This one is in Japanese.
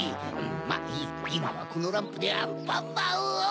まぁいいいまはこのランプでアンパンマンを。